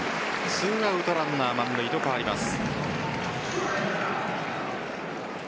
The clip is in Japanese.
２アウトランナー満塁と変わります。